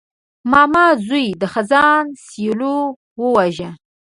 ماما زوی د خزان سیلیو ورژاوه.